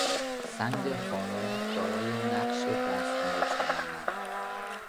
سنگ خارا دارای نقش دستنوشته مانند